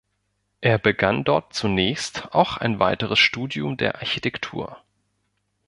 Er begann dort zunächst auch ein weiteres Studium der Architektur.